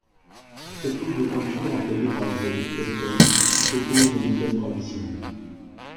La technique de peinture employée par Elizabeth Peyton s'oppose aux méthodes traditionnelles.